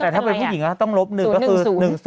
แต่ถ้าเป็นผู้หญิงก็ต้องลบ๑ก็คือ๑๒